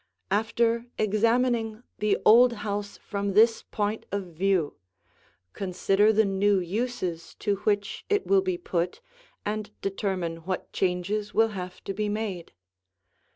After examining the old house from this point of view, consider the new uses to which it will be put and determine what changes will have to be made.